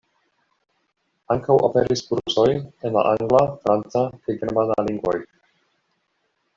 Ankaŭ aperis kursoj en la angla, franca kaj germana lingvoj.